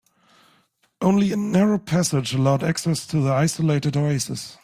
Only a narrow passage allowed access to the isolated oasis.